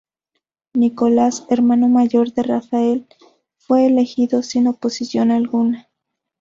Nicolás, hermano mayor de Rafael, fue elegido sin oposición alguna.